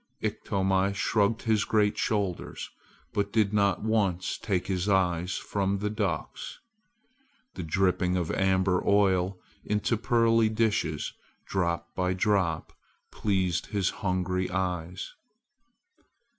Iktomi shrugged his great shoulders, but did not once take his eyes from the ducks. The dripping of amber oil into pearly dishes, drop by drop, pleased his hungry eyes.